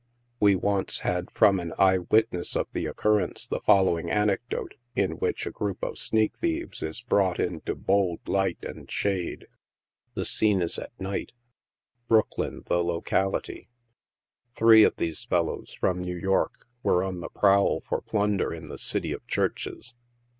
We once had, from an eye witness of the occurrence, the following anecdote, in which a group of " sneak thieves" is brought into bold light and shade. HAUNTS OF TIIE ACTORS. 65 The scene is at night— Brooklyn the locality. Three of these fel lows, from New York, were on the prowl for plunder in the City of Churches.